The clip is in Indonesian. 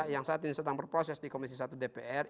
yang saat ini sedang berproses di komisi satu dpr